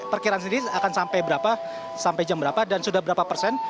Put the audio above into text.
perkiraan sendiri akan sampai berapa sampai jam berapa dan sudah berapa persen